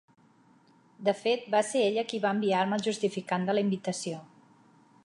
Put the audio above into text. De fet, va ser ella qui va enviar-me el justificant de la invitació.